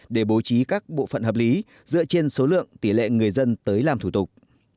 để bố trí các bộ phận hợp lý dựa trên số lượng tỷ lệ người dân tới làm thủ tục